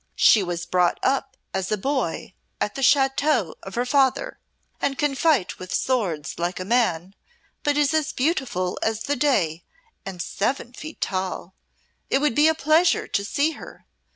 "She was brought up as a boy at the château of her father, and can fight with swords like a man, but is as beautiful as the day and seven feet tall. It would be a pleasure to see her.